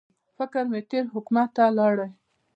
فکر مې تېر حکومت ته ولاړی.